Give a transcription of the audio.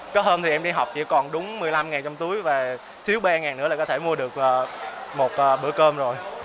có hôm thì em đi học chỉ còn đúng một mươi năm ngàn trong túi và thiếu bê ngàn nữa là có thể mua được một bữa cơm rồi